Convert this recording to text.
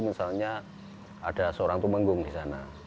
misalnya ada seorang tumenggung di sana